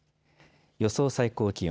予想最高気温。